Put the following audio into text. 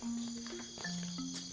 pembuatan rumah atau pembuatan kampung